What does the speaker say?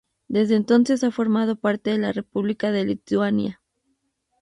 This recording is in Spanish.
Desde entonces ha formado parte de la República de Lituania.